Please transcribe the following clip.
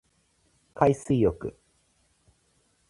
海水浴